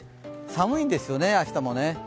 寒いんですよね、明日も。